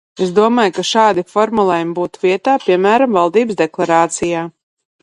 Es domāju, ka šādi formulējumi būtu vietā, piemēram, valdības deklarācijā.